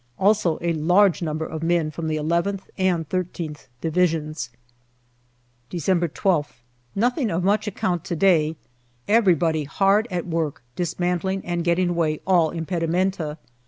Also a large number of men from the nth and Divisions. DECEMBER 289 December 12th. Nothing of much account to day. Everybody hard at work, dismantling and getting away all impedimenta.